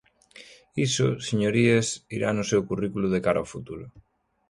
Iso, señorías, irá no seu currículo de cara ao futuro.